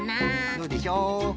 どうでしょう？